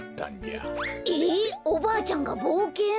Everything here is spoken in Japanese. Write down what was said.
えおばあちゃんがぼうけん！？